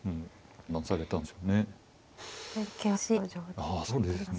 あっそうですね。